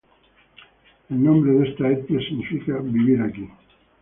El nombre de esta etnia significa "vivir aquí".